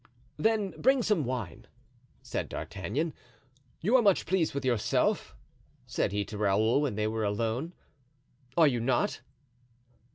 "Then bring some wine," said D'Artagnan. "You are much pleased with yourself," said he to Raoul when they were alone, "are you not?"